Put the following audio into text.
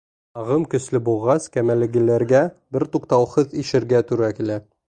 Ағым көслө булғас, кәмәләгеләргә бер туҡтауһыҙ ишергә тура килә.